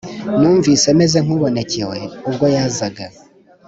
Numvise meze nkubonecyewe ubwo yazaga